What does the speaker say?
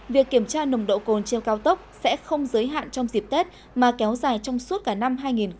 việc kiểm tra nồng độ cồn trên cao tốc sẽ không giới hạn trong dịp tết mà kéo dài trong suốt cả năm hai nghìn hai mươi